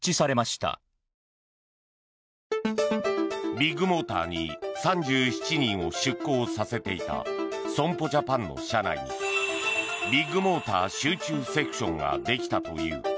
ビッグモーターに３７人を出向させていた損保ジャパンの社内にビッグモーター集中セクションができたという。